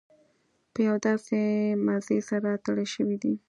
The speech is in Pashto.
په یو داسې مزي سره تړل شوي دي.